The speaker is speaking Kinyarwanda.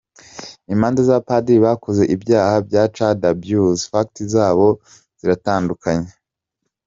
Imanza z‘abapadri bakoze ibyaha bya child abuse, facts zabo ziratandukanye.